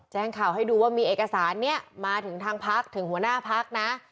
แจ้งข่าวให้ดูว่ามีเอกสารนี้มาถึงทางพักถึงหัวหน้าพักนะ